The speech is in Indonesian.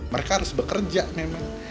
mereka harus bekerja memang